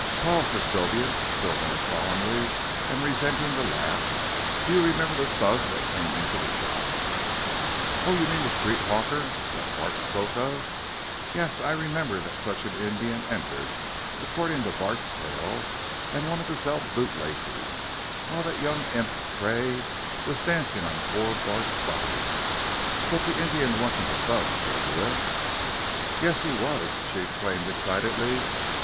"Paul," said Sylvia, still more solemnly and resenting the laugh, "do you remember the Thug that came into the shop " "Oh, you mean the street hawker that Bart spoke of. Yes, I remember that such an Indian entered, according to Bart's tale, and wanted to sell boot laces, while that young imp, Tray, was dancing on poor Bart's body. But the Indian wasn't a Thug, Sylvia." "Yes, he was," she exclaimed excitedly.